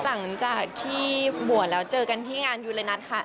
หลังจากที่บวชแล้วเจอกันที่งานยูเรนัทค่ะ